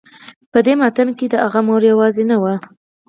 په دې ماتم کې هغه مور يوازې نه وه.